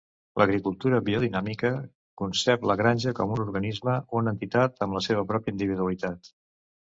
L'agricultura biodinàmica concep la granja com un organisme, una entitat amb la seva pròpia individualitat.